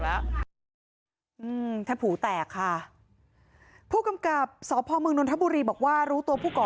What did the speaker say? แทบหูแตกค่ะผู้กำกับสพมนนทบุรีบอกว่ารู้ตัวผู้ก่อ